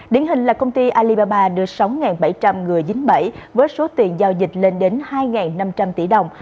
điển hình là công ty alibaba đưa sáu bảy trăm linh người dính bẫy với số tiền giao dịch lên đến hai năm trăm linh tỷ đồng